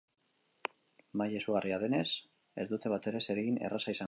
Maila izugarria denez, ez dute batere zeregin erraza izango.